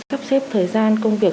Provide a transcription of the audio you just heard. sắp xếp thời gian công việc